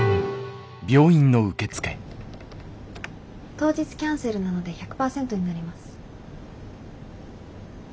当日キャンセルなので１００％になります。